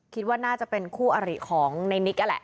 คิดว่าน่าจะเป็นคู่อาริของในนิก